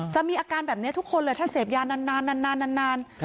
มีอาการแบบนี้ทุกคนเลยถ้าเสพยานาน